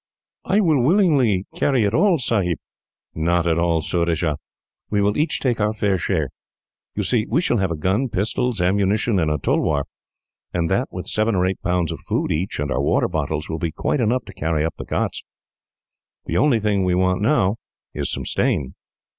"I will willingly carry it all, Sahib." "Not at all, Surajah. We will each take our fair share. You see, we shall have a gun, pistols, ammunition, and a tulwar; and that, with seven or eight pounds of food each, and our water bottles, will be quite enough to carry up the ghauts. The only thing we want now is some stain."